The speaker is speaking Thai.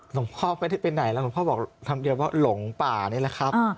หลวงพ่อไม่ได้ไปไหนแล้วหลวงพ่อบอกคำเดียวว่าหลงป่านี่แหละครับ